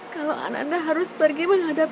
kalau anak anda harus pergi menghadap